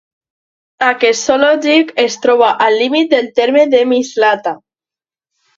Aquest zoològic es troba al límit del terme de Mislata.